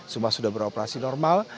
semua sudah beroperasi normal